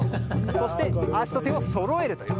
そして、足と手をそろえると。